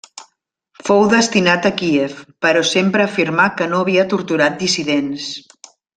Fou destinat a Kíev, però sempre afirmà que no havia torturat dissidents.